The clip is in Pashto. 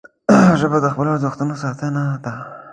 ژبه د خپلو ارزښتونو ساتنه ده